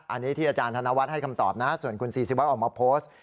อันนี้ที่อาจารย์ธนวัฒน์ให้คำตอบนะส่วนคุณศรีศิวัตรออกมาโพสต์